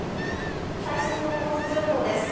最新の交通情報です。